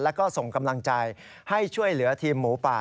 แล้วก็ส่งกำลังใจให้ช่วยเหลือทีมหมูป่า